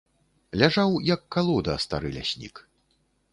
Ляжаў, як калода, стары ляснік.